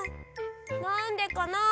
なんでかな？